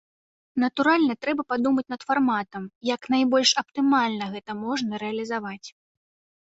Натуральна, трэба падумаць над фарматам, як найбольш аптымальна гэта можна рэалізаваць.